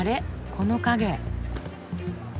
この影。